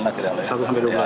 satu sampai dua bulan